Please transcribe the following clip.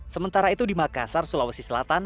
sementara itu di makassar sulawesi selatan